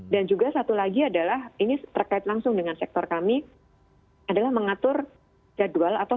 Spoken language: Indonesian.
dan juga satu lagi adalah ini terkait langsung dengan sektor kami adalah mengatur jadwal atau